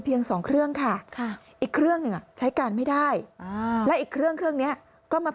เพียง๒เครื่องค่ะอีกเครื่องใช้การไม่ได้อีกเครื่องเนี่ยก็มา